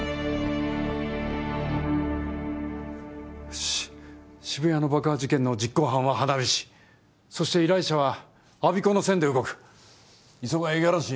よし渋谷の爆破事件の実行犯は花火師そして依頼者は我孫子の線で動く磯ヶ谷五十嵐